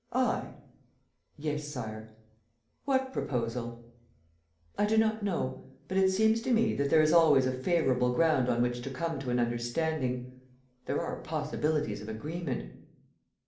I?" "Yes, Sire." "What proposal?" "I do not know, but it seems to me that there is always a favorable ground on which to come to an understanding ... there are possibilities of agreement.